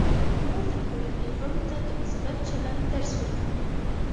مور د کورنۍ غړو ته د مثبت چلند درس ورکوي.